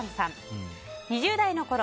２０代のころ